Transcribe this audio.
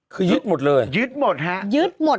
คือยึดหมดเลยยึดหมดฮะยึดหมด